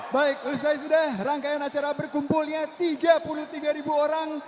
baik usai sudah rangkaian acara berkumpulnya tiga puluh tiga orang